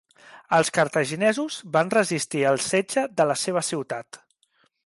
Els cartaginesos van resistir el setge de la seva ciutat.